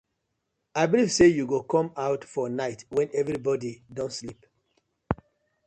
I belive say yu go com out for night wen everibodi don sleep.